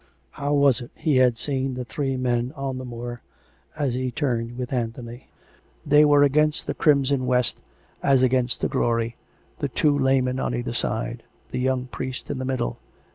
... How was it he had seen the three men on the moor; as he turned with Anthony? They were against the crimson west, as against a glory, the two laymen on either side, the young priest in the middle.